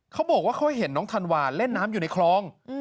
เขาบอกว่าเขาเห็นน้องธันวาเล่นน้ำอยู่ในคลอง